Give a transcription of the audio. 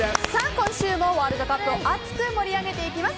今週もワールドカップを熱く盛り上げていきます。